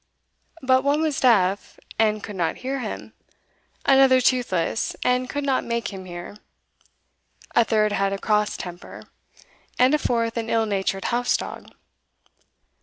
But one was deaf, and could not hear him; another toothless, and could not make him hear; a third had a cross temper; and a fourth an ill natured house dog.